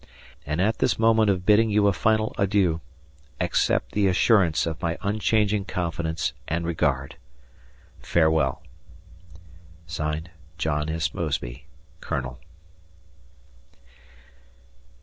And at this moment of bidding you a final adieu, accept the assurance of my unchanging confidence and regard. Farewell! Jno. S. Mosby, Colonel.